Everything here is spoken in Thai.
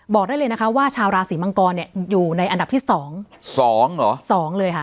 บอกได้เลยนะคะว่าชาวราศีมังกรเนี่ยอยู่ในอันดับที่สองสองเหรอสองเลยค่ะ